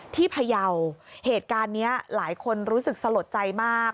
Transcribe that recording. พยาวเหตุการณ์นี้หลายคนรู้สึกสลดใจมาก